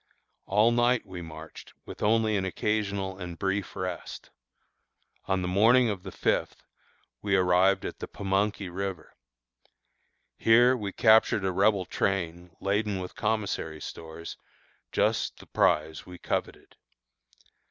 All night we marched with only an occasional and brief rest. On the morning of the fifth we arrived at the Pamunkey River. Here we captured a Rebel train laden with commissary stores, just the prize we coveted.